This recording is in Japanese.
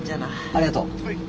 ありがとう。ほい。